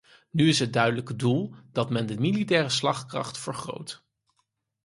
Nu is het duidelijke doel dat men de militaire slagkracht vergroot.